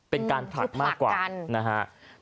เป็นการผลักมากกว่าถูกผลักกัน